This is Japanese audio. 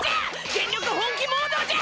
全力本気モードじゃ！